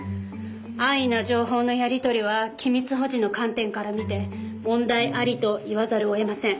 安易な情報のやり取りは機密保持の観点から見て問題ありと言わざるを得ません。